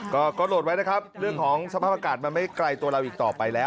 ก็โหลดไว้นะครับเรื่องของสภาพอากาศ